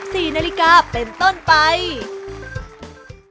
สนุกสนานกับหน้าตะสินสร้างสรรค์ที่กำลังดังบนโซเชียล